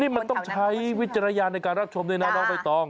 มันต้องใช้วิจารณญาณในการรับชมด้วยนะน้องใบตอง